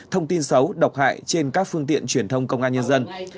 thông tin xấu độc hại trên các phương tiện truyền thông công an nhân dân